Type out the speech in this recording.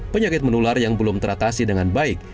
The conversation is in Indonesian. penyakit menular yang belum teratasi dengan baik